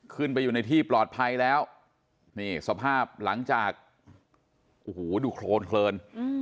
ขึ้นไปอยู่ในที่ปลอดภัยแล้วนี่สภาพหลังจากโอ้โหดูโครนเคลิน